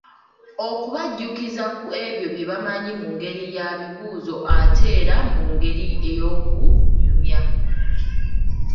Okubajjukiza ku ebyo bye bamanyi mu ngeri ya bibuuzo ate era mu ngeri ey’okunyumya.